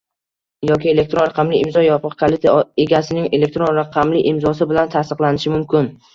yoki elektron raqamli imzo yopiq kaliti egasining elektron raqamli imzosi bilan tasdiqlanishi mumkin.